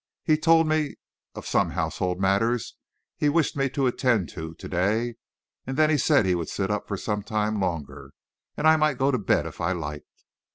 He told me of some household matters he wished me to attend to to day, and then he said he would sit up for some time longer, and I might go to bed if I liked.